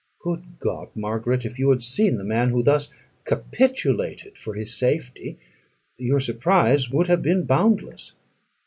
Good God! Margaret, if you had seen the man who thus capitulated for his safety, your surprise would have been boundless.